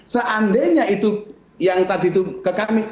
seandainya itu yang tadi itu ke kami